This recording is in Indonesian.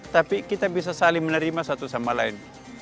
tapi kita bisa saling menerima satu sama lain